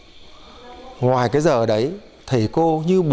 thầy cô khi giờ hành chính lên lớp thì dạy các em là học chữ học kiến thức